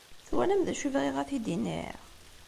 Twalam d acu i bɣiɣ ad t-id-iniɣ?